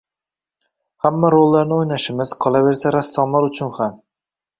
Hamma rollarni o‘ynashimiz, qolaversa, rassomlar uchun ham